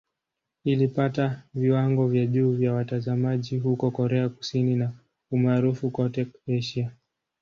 Ilipata viwango vya juu vya watazamaji huko Korea Kusini na umaarufu kote Asia.